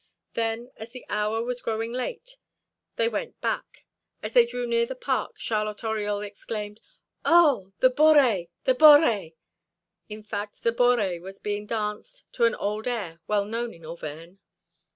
Then, as the hour was growing late, they went back. As they drew near the park, Charlotte Oriol exclaimed: "Oh! the boree! the boree!" In fact, the boree was being danced to an old air well known in Auvergne.